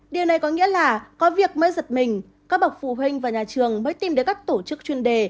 điều này có nghĩa là có việc mới giật mình các bậc phụ huynh và nhà trường mới tìm đến các tổ chức chuyên đề